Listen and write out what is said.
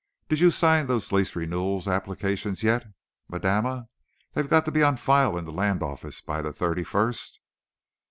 Did you sign those lease renewal applications yet, madama? They've got to be on file in the land office by the thirty first."